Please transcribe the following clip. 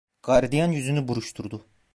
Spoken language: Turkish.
Gardiyan yüzünü buruşturdu.